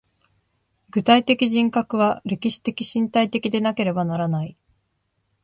具体的人格は歴史的身体的でなければならない。